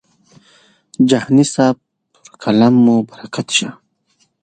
جهاني صاحب پر قلم مو برکت شه.